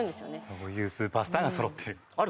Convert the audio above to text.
そういうスーパースターがそろっている。